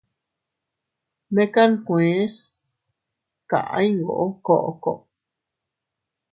Mekan nkuees kaʼa iyngoo koʼko.